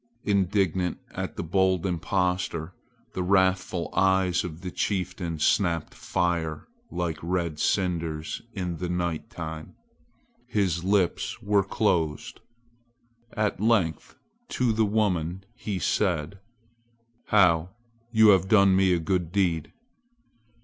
Indignant at the bold impostor, the wrathful eyes of the chieftain snapped fire like red cinders in the night time. His lips were closed. At length to the woman he said: "How, you have done me a good deed."